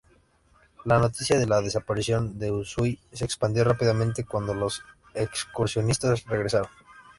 La noticia de la desaparición de Usui se expandió rápidamente cuando los excursionistas regresaron.